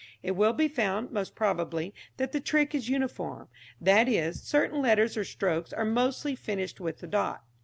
It will be found, most probably, that the trick is uniform; that is, certain letters or strokes are mostly finished with the dot.